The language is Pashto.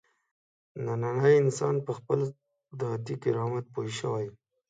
نننی انسان په خپل ذاتي کرامت پوه شوی.